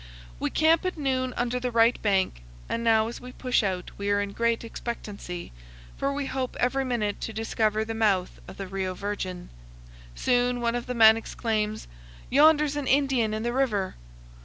We camp at noon under the right bank. And now as we push out we are in great expectancy, for we hope every minute to discover the mouth of the Rio Virgen. Soon one of the men exclaims: "Yonder's an Indian in the river."